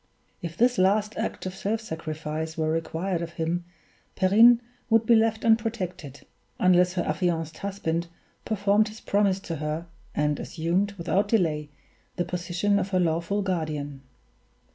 If this last act of self sacrifice were required of him, Perrine would be left unprotected, unless her affianced husband performed his promise to her, and assumed, without delay, the position of her lawful guardian.